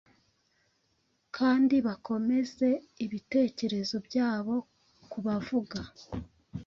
kandi bakomeze ibitekerezo byabo kubavuga